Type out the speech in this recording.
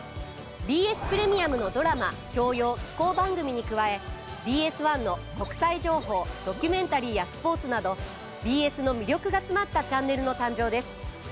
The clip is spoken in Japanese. ＢＳプレミアムのドラマ教養紀行番組に加えＢＳ１の国際情報ドキュメンタリーやスポーツなどＢＳの魅力が詰まったチャンネルの誕生です。